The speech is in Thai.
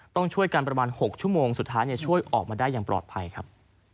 ต้องช่วยกันประมาณ๖ชั่วโมงสุดท้ายช่วยออกมาได้อย่างปลอดภัยครับ